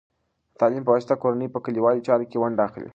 د تعلیم په واسطه، کورنۍ په کلیوالو چارو کې ونډه اخلي.